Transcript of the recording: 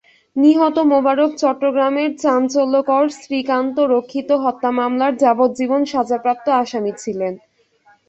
নিহত মোবারক চট্টগ্রামের চাঞ্চল্যকর শ্রীকান্ত রক্ষিত হত্যা মামলার যাবজ্জীবন সাজাপ্রাপ্ত আসামি ছিলেন।